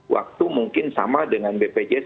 waktu mungkin sama dengan bpjs